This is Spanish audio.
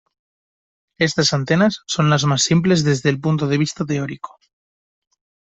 Estas antenas son las más simples desde el punto de vista teórico.